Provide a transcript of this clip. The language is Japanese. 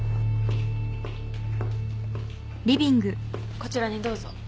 こちらにどうぞ。